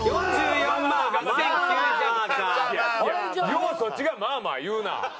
ようそっちがまあまあ言うな。